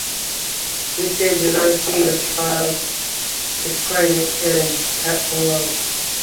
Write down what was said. This gave a design speed of at trials displacement and at full load.